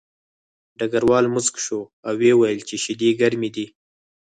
ډګروال موسک شو او ویې ویل چې شیدې ګرمې دي